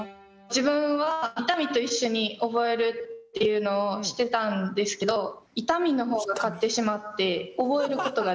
自分は痛みと一緒に覚えるっていうのをしてたんですけど痛みの方が勝ってしまって覚えることができなかった。